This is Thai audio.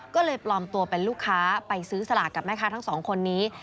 ก็เลยปลอมตัวเป็นลูกค้าไปซื้อสลากกับแม่ค้าทั้งสองคนนี้